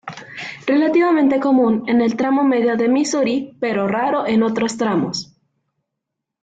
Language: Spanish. Relativamente común en el tramo medio del Misuri pero raro en otros tramos.